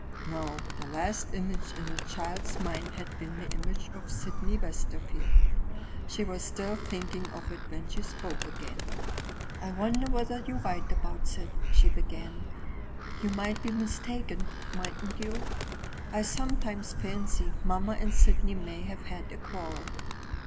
No: the last image in the child's mind had been the image of Sydney Westerfield. She was still thinking of it when she spoke again. "I wonder whether you're right about Syd?" she began. "You might be mistaken, mightn't you? I sometimes fancy mamma and Sydney may have had a quarrel.